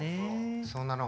そうなの。